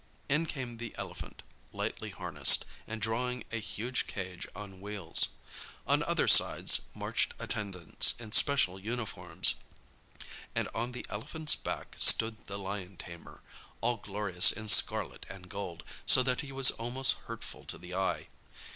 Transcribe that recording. In came the elephant, lightly harnessed, and drawing a huge cage on wheels. On other sides marched attendants in special uniforms, and on the elephant's back stood the lion tamer, all glorious in scarlet and gold, so that he was almost hurtful to the eye.